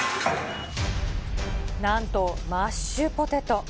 なんとマッシュポテト。